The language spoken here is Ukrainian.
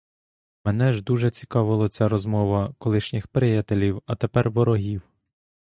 Мене ж дуже цікавила ця розмова колишніх приятелів, а тепер ворогів.